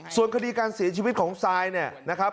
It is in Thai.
ส่วนคดีการศีลชีวิตของซายนะครับ